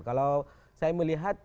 kalau saya melihat